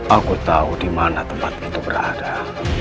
aku tahu dimana tempat itu berada